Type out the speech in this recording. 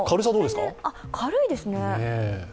あっ、軽いですね。